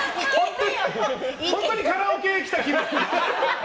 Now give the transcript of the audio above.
本当にカラオケに来た気分。